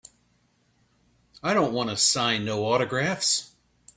I don't wanta sign no autographs.